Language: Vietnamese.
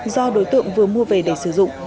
do đối tượng vừa mua về để sử dụng